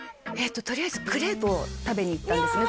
とりあえずクレープを食べに行ったんですね